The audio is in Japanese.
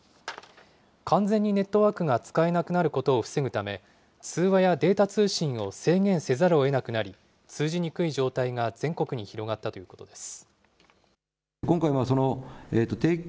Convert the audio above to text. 完全にネットワークが使えなくなることを防ぐため、通話やデータ通信を制限せざるをえなくなり、通じにくい状態が全国に広がったということです。